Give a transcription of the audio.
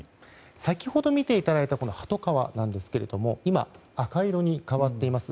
先ほど見ていただいた鳩川なんですが今、赤色に変わっています。